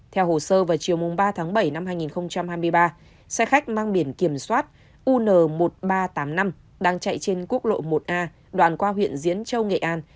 theo hồ sơ vào chiều ba tháng bảy năm hai nghìn hai mươi ba xe khách mang biển kiểm soát un một nghìn ba trăm tám mươi năm đang chạy trên quốc lộ một a đoạn qua huyện diễn châu nghệ an